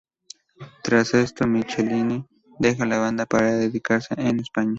Tras esto, Michelini deja la banda para radicarse en España.